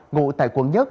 ngụ tại quận một